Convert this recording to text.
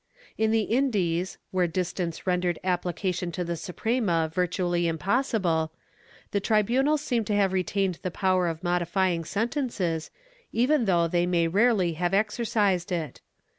^ In the Indies, where distance rendered application to the Suprema virtually impossible, the tribunals seem to have retained the power of modifying sentences, even though they may rarely have exercised it.